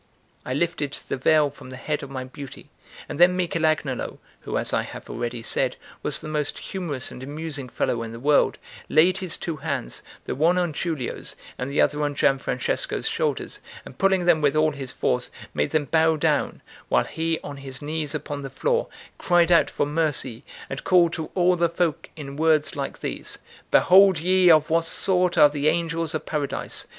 I lifted the veil from the head of my beauty; and then Michel Agnolo, who, as I have already said, was the most humorous and amusing fellow in the world, laid his two hands, the one on Giulio's and the other on Gian Francesco's shoulders, and pulling them with all his force, made them bow down, while he, on his knees upon the floor, cried out for mercy, and called to all the folk in words like these: "Behold ye of what sort are the angels of paradise!